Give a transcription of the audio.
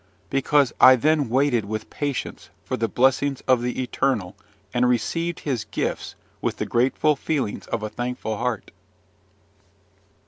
Because I then waited with patience for the blessings of the Eternal, and received his gifts with the grateful feelings of a thankful heart.